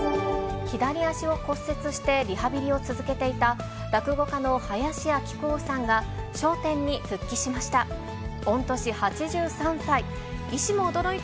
左脚を骨折してリハビリを続けていた落語家の林家木久扇さんが笑点に復帰しました。